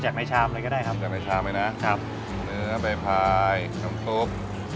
กินจากในชามเลยก็ได้ครับ